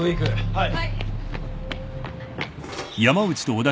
はい。